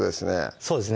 そうですね